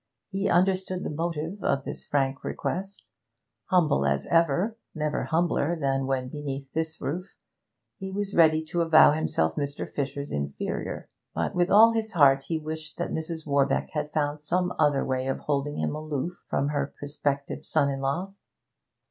He understood the motive of this frank request; humble as ever never humbler than when beneath this roof he was ready to avow himself Mr. Fisher's inferior; but with all his heart he wished that Mrs. Warbeck had found some other way of holding him aloof from her prospective son in law.